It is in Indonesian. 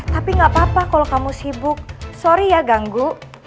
tapi gapapa kalo kamu sibuk sorry ya ganggu